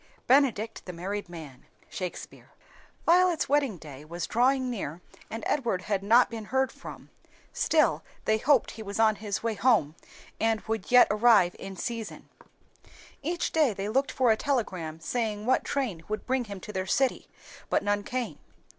"Benedict the married man." Shakspeare. Violet's wedding day was drawing near and Edward had not been heard from, still they hoped he was on his way home and would yet arrive in season. Each day they looked for a telegram saying what train would bring him to their city, but none came.